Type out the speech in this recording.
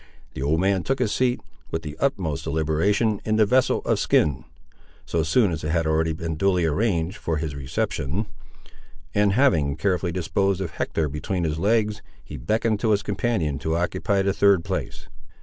The old man took his seat, with the utmost deliberation, in the vessel of skin (so soon as it had been duly arranged for his reception), and having carefully disposed of Hector between his legs, he beckoned to his companion to occupy the third place.